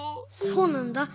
そうなんだ。